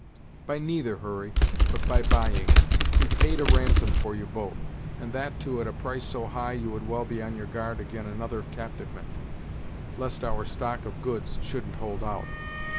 "By neither, Hurry, but by buying. We paid a ransom for you both, and that, too, at a price so high you had well be on your guard ag'in another captyvement, lest our stock of goods shouldn't hold out."